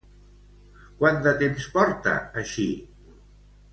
Quant de temps porta així?